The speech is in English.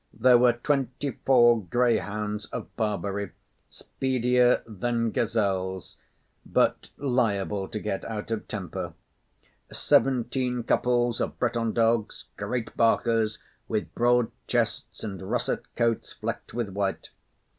There were twenty four greyhounds of Barbary, speedier than gazelles, but liable to get out of temper; seventeen couples of Breton dogs, great barkers, with broad chests and russet coats flecked with white.